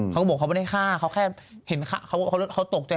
เขาก็บอกเขาไม่ได้ฆ่าเขาแค่เห็นเขาตกใจ